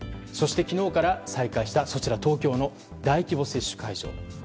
そして昨日から再開した東京の大規模接種会場。